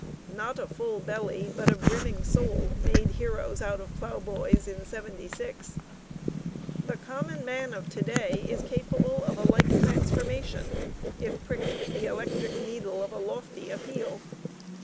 Not a full belly but a brimming soul made heroes out of ploughboys in '76. The common man of to day is capable of a like transformation if pricked with the electric needle of a lofty appeal.